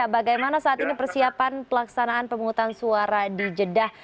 bagaimana saat ini persiapan pelaksanaan pemungutan suara di jeddah